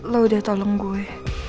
lo udah tolong gue